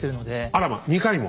あらま２回も。